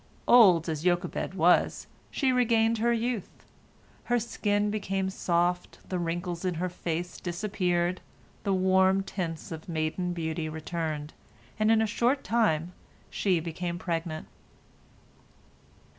Old as Jochebed was, she regained her youth. Her skin became soft, the wrinkles in her face disappeared, the warm tints of maiden beauty returned, and in a short time she became pregnant.